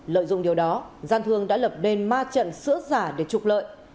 lợi dụng điều đó sàn thương đã lập đền ma trận sữa giả để trục lợi